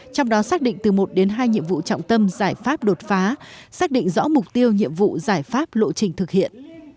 trong đó xác định từ một đến hai nhiệm vụ trọng tâm giải pháp đột phá xác định rõ mục tiêu nhiệm vụ giải pháp lộ trình thực hiện